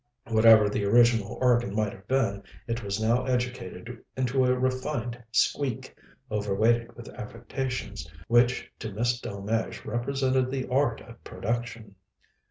Whatever the original organ might have been, it was now educated into a refined squeak, overweighted with affectations which to Miss Delmege represented the art of production.